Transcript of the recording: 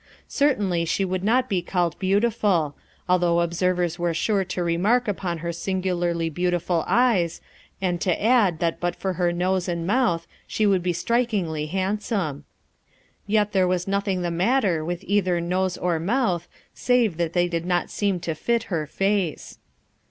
Cer tainly she would not be called beautiful, al though observers were sure to remark upon her singularly beautiful eyes, and to add that but for her nose and mouth she would be strikingly handsome. Yet there was nothing the matter with either nose or mouth save that they did not seem to fit her face.